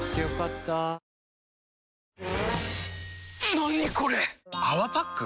何これ⁉「泡パック」？